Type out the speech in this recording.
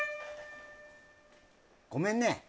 ごめんね。